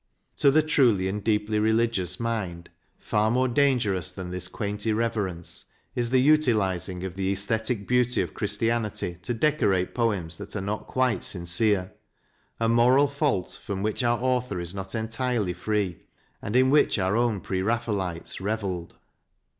To the truly and deeply religious mind, far more dangerous than this quaint irreverence is the utilizing of the aesthetic beauty of Christianity to decorate poems that are not quite sincere, a moral fault from which our author is not entirely free, and in which our own Pre Raphaelites revelled.